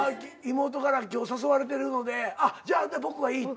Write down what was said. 妹から今日誘われてるのでじゃあ僕はいい。